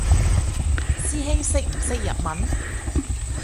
師兄識唔識日文？